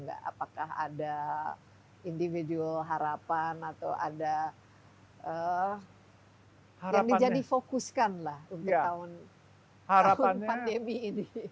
apakah ada individual harapan atau ada yang dijadikan fokuskan lah untuk tahun pandemi ini